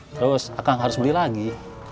terus akan harus beli lagi